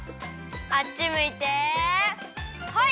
あっちむいてホイ！